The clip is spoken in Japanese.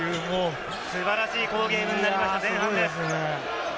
素晴らしい好ゲームになりました前半です。